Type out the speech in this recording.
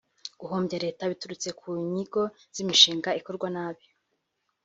Guhombya leta biturutse ku nyigo z’imishinga ikorwa nabi